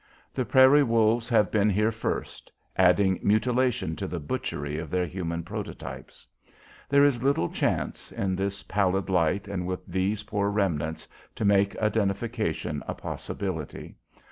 The prairie wolves have been here first, adding mutilation to the butchery of their human prototypes. There is little chance, in this pallid light and with these poor remnants, to make identification a possibility.